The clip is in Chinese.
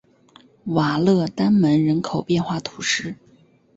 瓦勒丹门人口变化图示